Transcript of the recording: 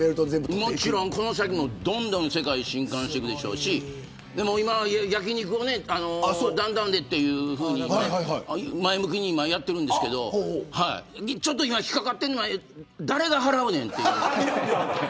もちろんこの先も、どんどん世界を震撼させていくでしょうし今は焼き肉をダウンタウンでというふうに前向きにやってるんですけど今、引っ掛かっているのは誰が払うんねんという。